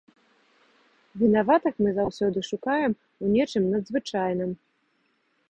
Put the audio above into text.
Вінаватых мы заўсёды шукаем у нечым надзвычайным.